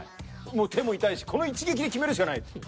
もう手も痛いしこの一撃で決めるしかない。